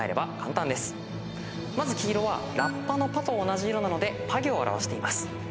まず黄色はラッパの「パ」と同じ色なのでパ行を表しています。